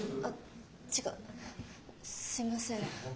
あっ違うすいません。